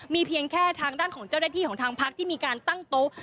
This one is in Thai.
มีเพียงแค่ทางด้านของเจ้าหน้าที่ของทางพักที่มีการตั้งโต๊ะ